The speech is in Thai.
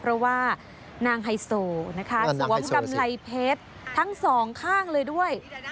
เพราะว่านางไฮโซนะคะสวมกำไรเพชรทั้งสองข้างเลยด้วย